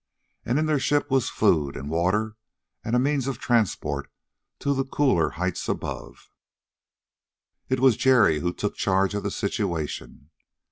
And in their ship was food and water and a means of transport to the cooler heights above. It was Jerry who took charge of the situation.